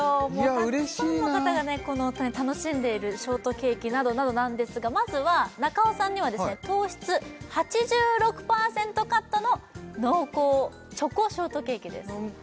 たくさんの方がねいや嬉しいな楽しんでいるショートケーキなどなどなんですがまずは中尾さんには糖質８６％カットの濃厚チョコショートケーキです